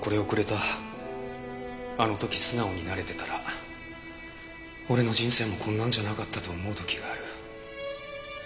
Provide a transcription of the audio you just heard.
あの時素直になれてたら俺の人生もこんなんじゃなかったと思う時がある。